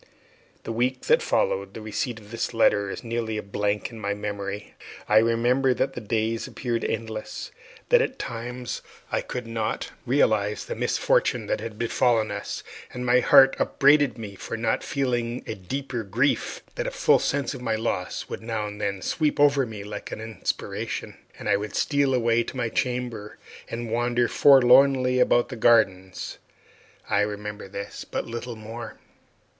The week that followed the receipt of this letter is nearly a blank in my memory. I remember that the days appeared endless; that at times I could not realize the misfortune that had befallen us, and my heart upbraided me for not feeling a deeper grief; that a full sense of my loss would now and then sweep over me like an inspiration, and I would steal away to my chamber or wander forlornly about the gardens. I remember this, but little more.